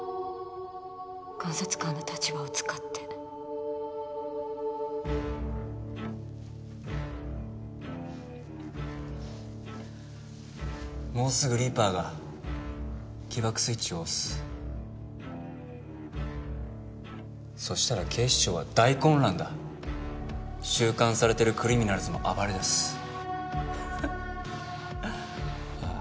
監察官の立場を使ってもうすぐリーパーが起爆スイッチを押すそしたら警視庁は大混乱だ収監されてるクリミナルズも暴れだすハハッああ